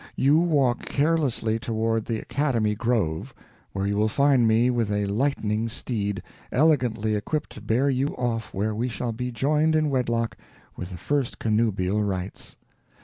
You walk carelessly toward the academy grove, where you will find me with a lightning steed, elegantly equipped to bear you off where we shall be joined in wedlock with the first connubial rights.